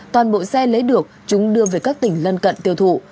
toàn bộ xe lấy được chúng đưa về các tỉnh lân cận tiêu thụ